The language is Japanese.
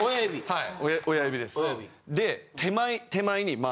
はい。